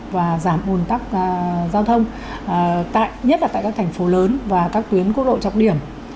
và giảm ồn tắc giao thông tại nhất là tại các thành phố lớn và các tuyến quốc lộ trọng điểm